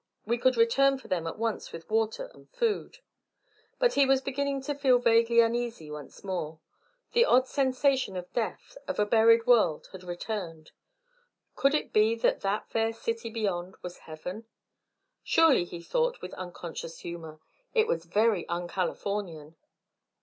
We could return for them at once with water and food." But he was beginning to feel vaguely uneasy once more. The odd sensation of death, of a buried world, had returned. Could it be that that fair city beyond was heaven? Surely, he thought with unconscious humour, it was very un Californian.